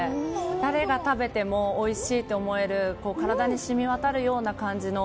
誰が食べてもおいしいと思える体に染み渡るような感じの。